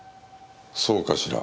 そうかしら？